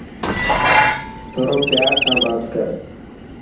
ٿورو پيار سان بات ڪر.